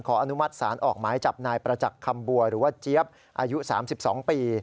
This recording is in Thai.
อนุมัติศาลออกหมายจับนายประจักษ์คำบัวหรือว่าเจี๊ยบอายุ๓๒ปี